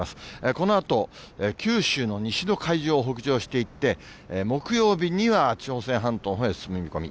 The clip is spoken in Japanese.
このあと、九州の西の海上を北上していって、木曜日には朝鮮半島のほうへ進む見込み。